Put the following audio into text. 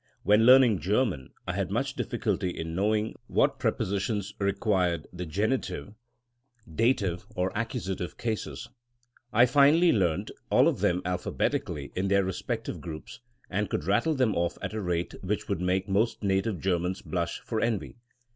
When learning (German, I had much difficulty in knowing what prepositions required the geni tive, dative or accusative cases. I finally learnt all of them alphabetically in their respective groups, and could rattle them off at a rate which would make most native Germans blush for envy.